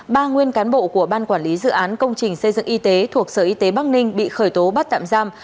ba nguyên cán bộ của ban quản lý dự án công trình xây dựng y tế thuộc sở y tế bắc ninh bị khởi tố bắt tạm giam